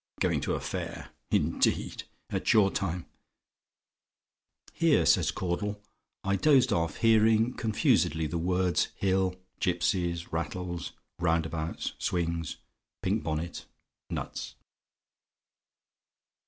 "Going to a fair, indeed! At your time " "Here," says Caudle, "I dozed off hearing confusedly the words hill gipsies rattles roundabouts swings pink bonnet nuts."